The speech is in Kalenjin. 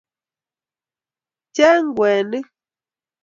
cheng kwenik